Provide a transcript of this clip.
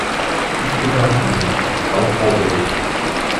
Ich bedanke mich, Frau Corbey!